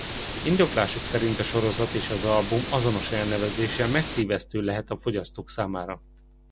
Indokolásuk szerint a sorozat és az album azonos elnevezése megtévesztő lehet a fogyasztók számára.